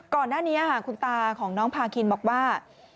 ก่อนหน้านี้คุณตาของน้องพาคินบอกว่า